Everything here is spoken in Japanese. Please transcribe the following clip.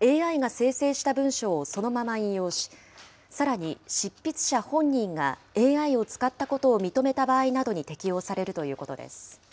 ＡＩが生成した文章をそのまま引用し、さらに執筆者本人がＡＩを使ったことを認めた場合などに適用されるということです。